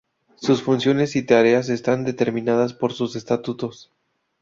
Sus funciones y tareas están determinadas por sus estatutos.